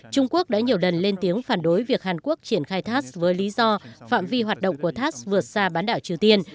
trung quốc đã nhiều lần lên tiếng phản đối việc hàn quốc triển khai thác với lý do phạm vi hoạt động của tháp vượt xa bán đảo triều tiên